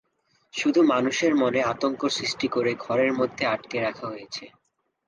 শুধু মানুষের মনে আতঙ্ক সৃষ্টি করে ঘরের মধ্যে আটকে রাখা হয়েছে।